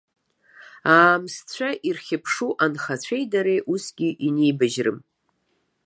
Аамсҭцәа ирхьыԥшу анхацәеи дареи усгьы инибажьрым!